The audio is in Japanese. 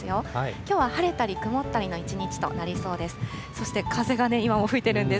きょうは晴れたり曇ったりの一日となりそうです。